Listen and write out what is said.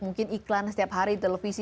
mungkin iklan setiap hari di televisi